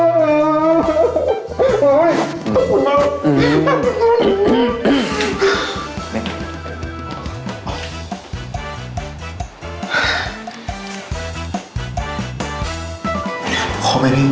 แค่จริงจริง